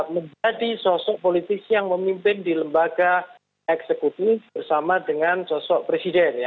menjadi sosok politisi yang memimpin di lembaga eksekutif bersama dengan sosok presiden